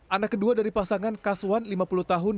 anak kedua dari pasangan kaswan lima puluh tahun